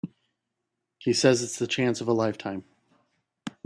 He says it's the chance of a lifetime.